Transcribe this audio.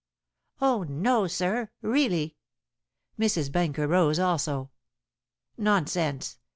"Oh, no, sir really." Mrs. Benker rose also. "Nonsense.